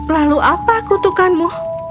lalu apa kutukanmu